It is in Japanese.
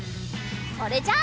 それじゃあ。